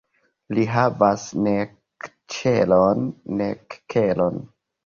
Li havas nek ĉelon, nek kelon.